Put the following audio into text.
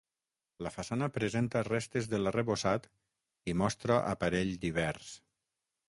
La façana presenta restes de l'arrebossat i mostra aparell divers.